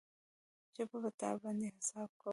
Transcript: زه په تا باندی حساب کوم